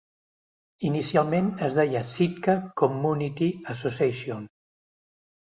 Inicialment, es deia Sitka Community Association.